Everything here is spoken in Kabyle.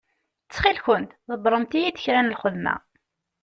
Ttxil-kent ḍebbṛemt-iyi-d kra n lxedma.